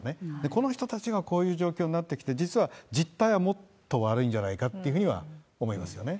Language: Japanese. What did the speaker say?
この人たちがこういう状況になってきて、実は実態はもっと悪いんじゃないかっていうふうには思いますよね。